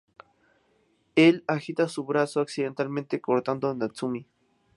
Él agita su brazo, accidentalmente cortando a Natsumi.